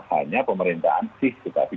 hanya pemerintahan sih tetapi